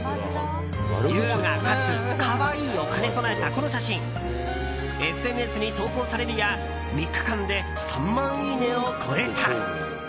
優雅かつ可愛いを兼ね備えたこの写真ＳＮＳに投稿されるや３日間で３万いいねを超えた。